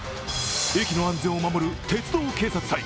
駅の安全を守る鉄道警察隊。